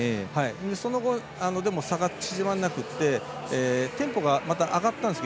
その後、差が縮まらなくってテンポが上がったんですよ。